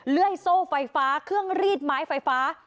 เลื่อยโซ่ไฟฟ้าเครื่องรีดไม้ไฟฟ้า